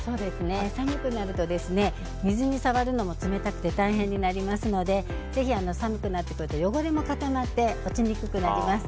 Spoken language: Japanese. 寒くなると水に触るのも冷たくて大変になりますのでぜひ寒くなってくると汚れも固まって落ちにくくなります。